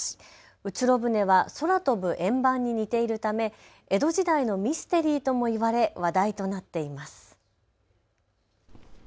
うつろ舟は空飛ぶ円盤に似ているため江戸時代のミステリーともいわれ話題となっています。